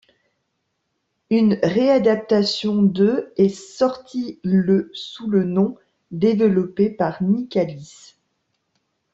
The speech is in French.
Une réadaptation de ' est sortie le sous le nom ', développée par Nicalis.